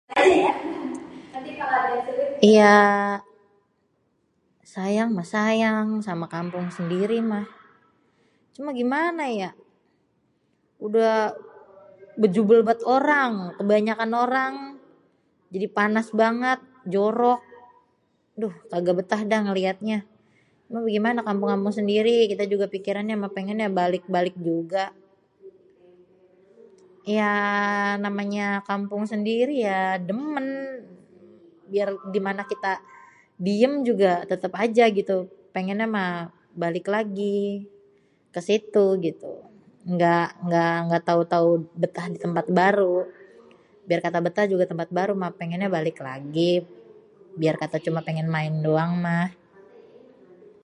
Iyaa sayang mah sayang sama kampung sendiri mah.. cuma gimana yak udah béjubél bét orang.. kebanyakan orang jadi panas banget jorok.. duh kagak bétah dah ngeliatnya.. mau bégimana kampung-kampung sendiri kita juga pikirannya mah pengennya balik-balik juga.. iyaa namanya kampung sendiri yaa démén.. biar gimana kita diem juga tetep aja gitu pengennya mah balik lagi kesitu gitu.. ngga ngga ngga tau tau betah di tempat baru.. biar kata betah juga tempat baru mah péngénnya balik lagi.. biar kata cuma péngén main doang mah..